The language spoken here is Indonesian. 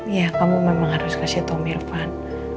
ya kamu memang harus kasih tau mirvan